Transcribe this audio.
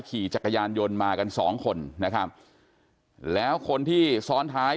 ขี่จักรยานยนต์มากันสองคนนะครับแล้วคนที่ซ้อนท้าย